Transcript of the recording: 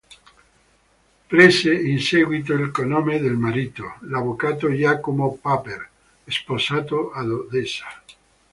Prese in seguito il cognome del marito, l'avvocato Giacomo Paper, sposato ad Odessa.